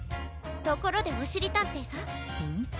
ところでおしりたんていさん。